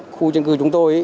khu dân cư chúng tôi